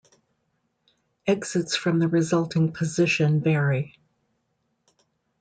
Exits from the resulting position vary.